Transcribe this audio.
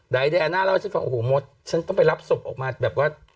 แต่ไอ้เดอร์อาณาแล้วฉันฟังโอ้โหมดฉันต้องไปรับศพออกมาแบบว่า